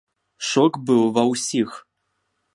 Шок быў ва ўсіх.